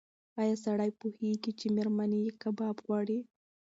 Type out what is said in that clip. ایا سړی پوهېږي چې مېرمن یې کباب غواړي؟